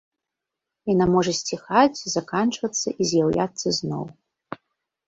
Яна можа сціхаць, заканчвацца і з'яўляцца зноў.